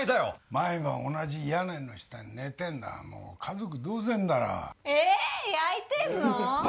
毎晩同じ屋根の下に寝てんだもう家族同然だろえっやいてんの？